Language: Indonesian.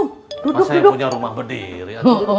masa yang punya rumah berdiri